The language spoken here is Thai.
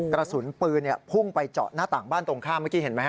กระสุนปืนพุ่งไปเจาะหน้าต่างบ้านตรงข้ามเมื่อกี้เห็นไหมฮ